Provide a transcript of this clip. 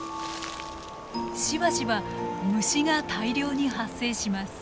しばしば虫が大量に発生します。